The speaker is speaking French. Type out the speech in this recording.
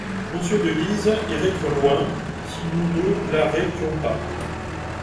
Monsieur de Guise irait trop loin, si nous ne l’arrêtions pas.